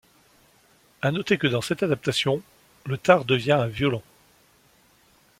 À noter que dans cette adaptation, le târ devient un violon.